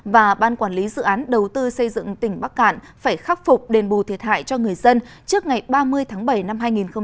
và ban quản lý dự án đầu tư xây dựng tỉnh bắc cạn phải khắc phục đền bù thiệt hại cho người dân trước ngày ba mươi tháng bảy năm hai nghìn hai mươi